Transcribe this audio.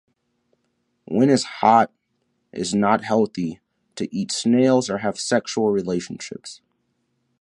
When is hot is not healthy to eat snails or have sexual relationships.